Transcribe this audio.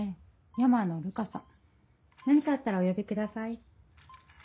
山野瑠香さん何かあったらお呼びください。